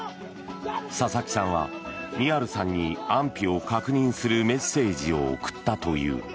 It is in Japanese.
佐々木さんはミハルさんに安否を確認するメッセージを送ったという。